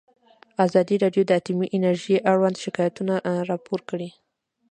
ازادي راډیو د اټومي انرژي اړوند شکایتونه راپور کړي.